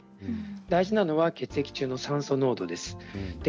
大事なのは血液中の酸素濃度です。